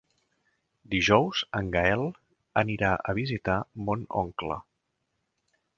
Dijous en Gaël anirà a visitar mon oncle.